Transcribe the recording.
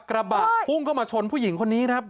กระบะพุ่งเข้ามาชนผู้หญิงคนนี้ครับ